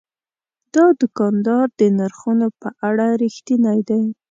دا دوکاندار د نرخونو په اړه رښتینی دی.